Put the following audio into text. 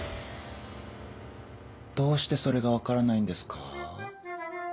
どうしてそれが分からないんですか？